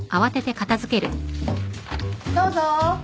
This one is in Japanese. どうぞ。